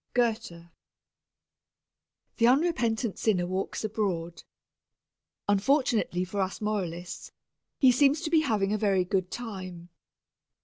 GOETHE. The unrepentant sinner walks abroad. Unfortunately for us moralists he seems to be having a very good time.